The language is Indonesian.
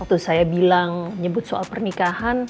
waktu saya bilang nyebut soal pernikahan